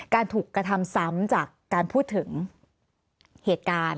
ถูกกระทำซ้ำจากการพูดถึงเหตุการณ์